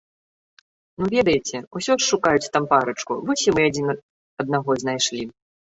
Ну ведаеце, усё ж шукаюць там парачку, вось і мы адзін аднаго знайшлі.